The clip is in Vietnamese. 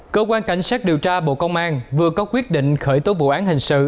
cơ quan cảnh sát điều tra bộ công an vừa có quyết định khởi tố vụ án hình sự